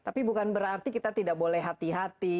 tapi bukan berarti kita tidak boleh hati hati